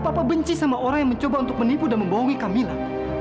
papa benci sama orang yang mencoba untuk menipu dan membohongi camilla